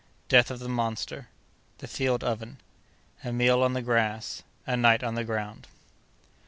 —Death of the Monster.—The Field Oven.—A Meal on the Grass.—A Night on the Ground.